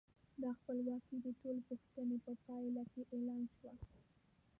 دا خپلواکي د ټول پوښتنې په پایله کې اعلان شوه.